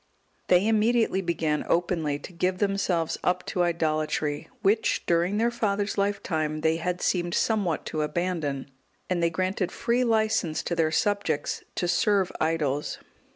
They immediately began openly to give themselves up to idolatry, which, during their father's lifetime, they had seemed somewhat to abandon, and they granted free licence to their subjects to serve idols.